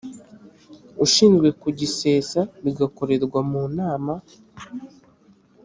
ushinzwe kugisesa bigakorerwa mu nama